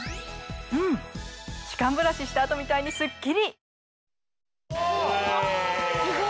うん歯間ブラシした後みたいにすっきり！